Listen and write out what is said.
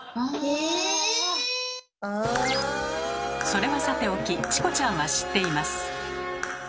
それはさておきチコちゃんは知っています。